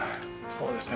そうですね。